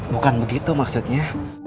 bukan begitu maksudnya